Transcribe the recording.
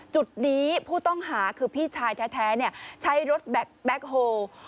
จุดนี้ผู้ต้องหาคือพี่ชายแท้ใช้รถแบ็คโฮล์